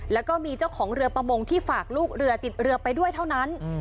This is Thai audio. แล้วก็มีเจ้าของเรือประมงที่ฝากลูกเรือติดเรือไปด้วยเท่านั้น